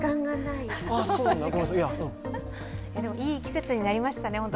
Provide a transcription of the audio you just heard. いい季節になりましたね。